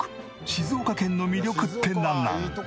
静岡県の魅力ってなんなん？